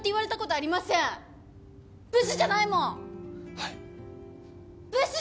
はい。